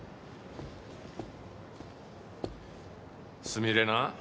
すみれな。